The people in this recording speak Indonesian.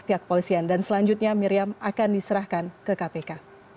kepulisian dan selanjutnya miriam akan diserahkan ke kpk